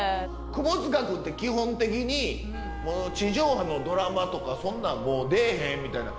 窪塚君って基本的に地上波のドラマとかそんなんもう出えへんみたいな。